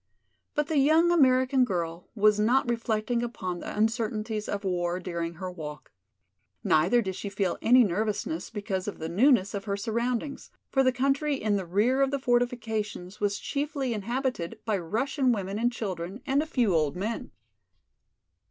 But the young American girl was not reflecting upon the uncertainties of war during her walk. Neither did she feel any nervousness because of the newness of her surroundings, for the country in the rear of the fortifications was chiefly inhabited by Russian women and children and a few old men.